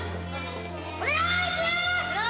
お願いします！